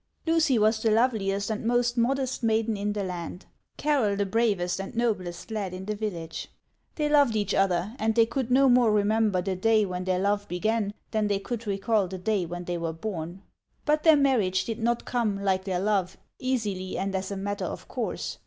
Lucy was the loveliest and most modest maiden in the land ; Carroll the bravest and noblest lad in the village. They loved each other, and they could no more 190 HANS OF ICELAND. remember the day when their love began than they could recall the day when they were born. But their marriage did not come, like their love, easily and as a matter of course.